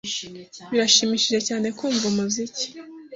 Birashimishije cyane kumva umuziki.